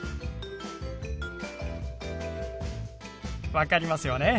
分かりますよね？